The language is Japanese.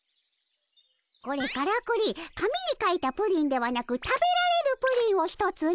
これからくり紙に書いたプリンではなく食べられるプリンを１つの。